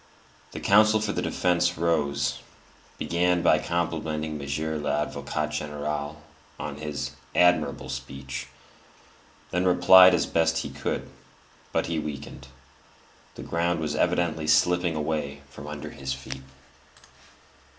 The counsel for the defence rose, began by complimenting Monsieur l'Avocat General on his "admirable speech," then replied as best he could; but he weakened; the ground was evidently slipping away from under his feet.